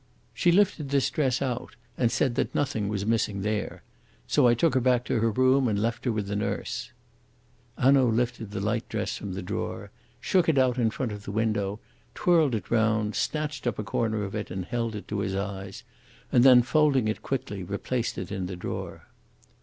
She lifted this dress out and said that nothing was missing there. So I took her back to her room and left her with the nurse." Hanaud lifted the light dress from the drawer, shook it out in front of the window, twirled it round, snatched up a corner of it and held it to his eyes, and then, folding it quickly, replaced it in the drawer.